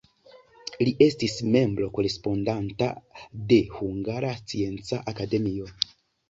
Li estis membro korespondanta de Hungara Scienca Akademio.